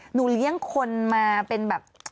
เลี้ยงคนมาเป็นแบบ